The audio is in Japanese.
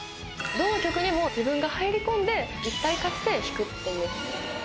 どの曲にも自分が入り込んで一体化して弾くっていう。